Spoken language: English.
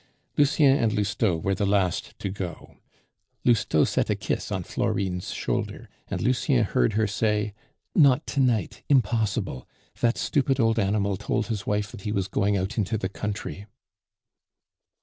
Lucien and Lousteau were the last to go. Lousteau set a kiss on Florine's shoulder, and Lucien heard her say, "Not to night. Impossible. That stupid old animal told his wife that he was going out into the country."